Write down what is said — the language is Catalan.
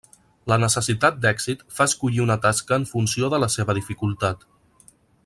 La necessitat d'èxit fa escollir una tasca en funció de la seva dificultat.